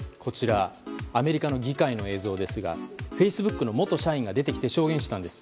アメリカの議会の映像ですがフェイスブックの元社員が出てきて証言したんです。